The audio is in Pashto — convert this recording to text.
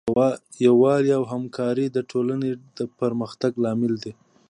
یووالی او همکاري د ټولنې د پرمختګ لامل دی.